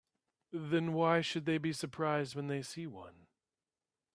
Then why should they be surprised when they see one?